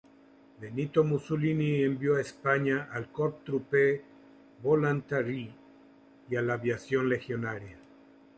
Benito Mussolini envió a España al "Corpo Truppe Volontarie" y la Aviación Legionaria.